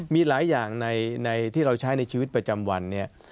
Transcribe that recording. มีหลายอย่างในที่เราใช้ในชีวิตประจำวันเนี่ย